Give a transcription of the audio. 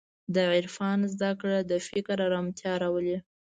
د عرفان زدهکړه د فکر ارامتیا راولي.